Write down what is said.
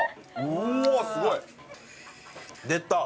うわー、すごい。出た。